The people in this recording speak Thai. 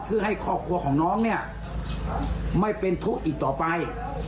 เพื่อให้ครอบครัวของน้องเนี่ยไม่เป็นทุกข์อีกต่อไป